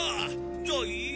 じゃあいいよ。